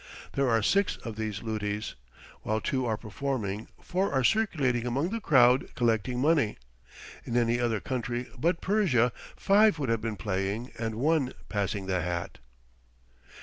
There are six of these lutis; while two are performing, four are circulating among the crowd collecting money. In any other country but Persia, five would have been playing and one passing the hat.